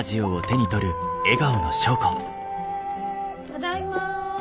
・ただいま。